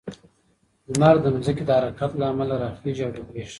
لمر د ځمکې د حرکت له امله راخیژي او ډوبیږي.